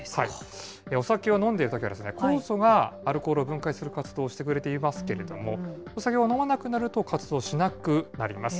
お酒を飲んでいるときは、酵素がアルコールを分解する活動をしてくれていますけれども、お酒を飲まなくなると、活動しなくなります。